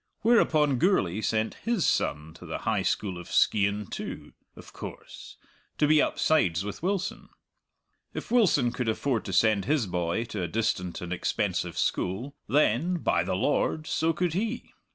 Whereupon Gourlay sent his son to the High School of Skeighan too, of course, to be upsides with Wilson. If Wilson could afford to send his boy to a distant and expensive school, then, by the Lord, so could he!